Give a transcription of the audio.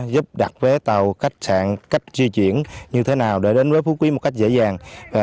giúp đặt vé tàu khách sạn cách di chuyển như thế nào để đến với phú quý một cách dễ dàng